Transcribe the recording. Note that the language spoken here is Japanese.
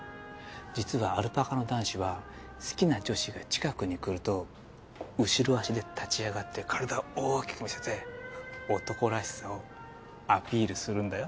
実はアルパカの男子は好きな女子が近くに来ると後ろ足で立ち上がって体を大きく見せて男らしさをアピールするんだよ。